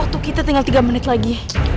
waktu kita tinggal tiga menit lagi